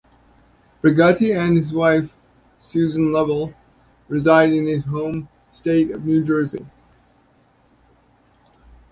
Brigati and his wife, Susan Lovell, reside in his home state of New Jersey.